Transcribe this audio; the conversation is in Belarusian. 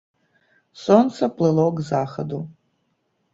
Сонца плыло к захаду.